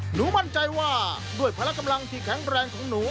หนูมั่นใจว่าด้วยพละกำลังที่แข็งแรงของหนู